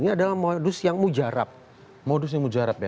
ini adalah modus yang mujarab